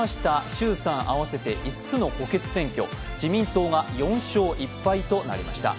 衆参合わせて５つの補欠選挙、自民党が４勝１敗となりました。